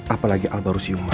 apalagi al baru siuman